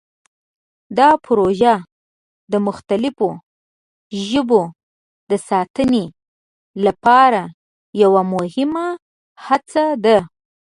دا پروژه د مختلفو ژبو د ساتنې لپاره یوه مهمه هڅه ده.